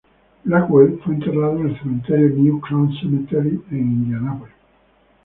Blackwell fue enterrado en el cementerio "New Crown Cemetery" en Indianapolis.